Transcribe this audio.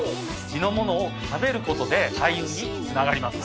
地の物を食べることで開運につながります。